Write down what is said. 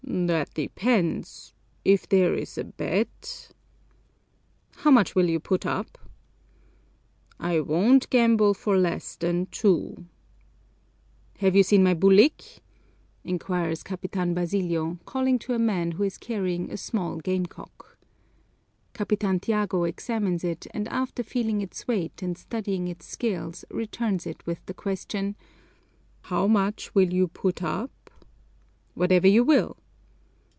"That depends if there's a bet." "How much will you put up?" "I won't gamble for less than two." "Have you seen my bulik?" inquires Capitan Basilio, calling to a man who is carrying a small game cock. Capitan Tiago examines it and after feeling its weight and studying its scales returns it with the question, "How much will you put up?" "Whatever you will."